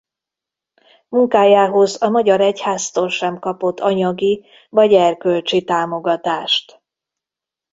Munkájához a magyar egyháztól sem kapott anyagi vagy erkölcsi támogatást.